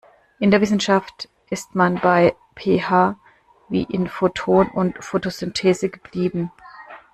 In der Wissenschaft ist man bei P H wie in Photon und Photosynthese geblieben.